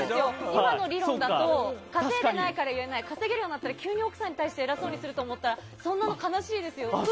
今の理論だと稼いでないから言えない、稼げるようになったら急に奥さんに対して偉そうにすると思ったらそんなの悲しいですよ。